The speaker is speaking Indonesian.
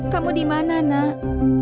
kamu dimana nak